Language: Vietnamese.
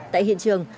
tại hiện trường